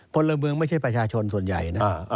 พลเมืองไม่ใช่ประชาชนส่วนใหญ่นะ